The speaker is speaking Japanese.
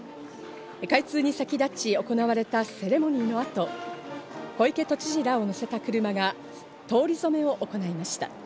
開通に先立ち行われたセレモニーの後、小池都知事らを乗せた車が、通り初めを行いました。